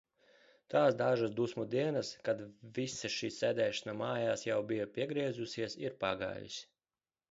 Tās dažas dusmu dienas, kad visa šī sēdēšana mājās jau bija piegriezusies, ir pagājusi.